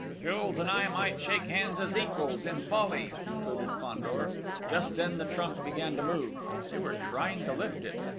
"Jules and I might shake hands as equals in folly!" concluded Fandor.... Just then the trunk began to move. They were trying to lift it.